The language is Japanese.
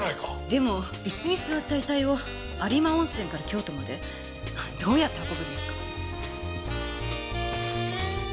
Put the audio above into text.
でも椅子に座った遺体を有馬温泉から京都までどうやって運ぶんですか？